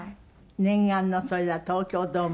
念願のそれでは東京ドーム。